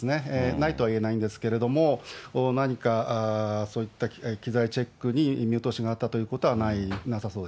ないとはいえないんですけれども、何かそういった機材チェックに見落としがあったということはなさ